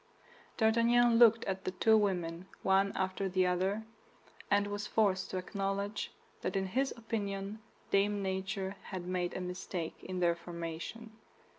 D'Artagnan looked at the two women, one after the other, and was forced to acknowledge that in his opinion Dame Nature had made a mistake in their formation.